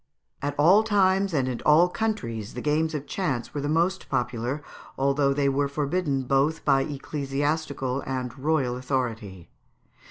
] At all times and in all countries the games of chance were the most popular, although they were forbidden both by ecclesiastical and royal authority.